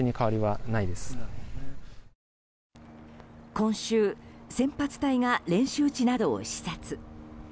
今週、先発隊が練習地などを視察。